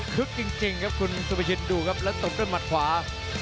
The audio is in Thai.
ขึ้นจริงครับซูให้ชินแล้วตัดด้วยมัดขวา